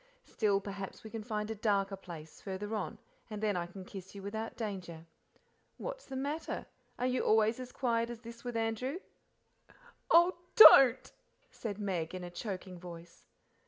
Still, perhaps we can find a darker place farther on, and then I can kiss you without danger. What is the matter? are you always as quiet as this with Andrew?" "Oh, DON'T!" said Meg, in a choking voice.